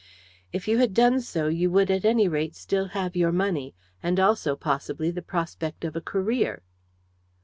"If you had done so you would at any rate still have your money, and also, possibly, the prospect of a career."